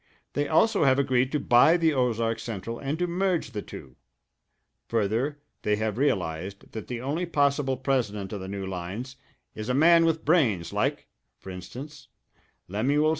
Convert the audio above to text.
They also have agreed to buy the Ozark Central and to merge the two. Further, they have realized that the only possible president of the new lines is a man with brains like, for instance, Lemuel C.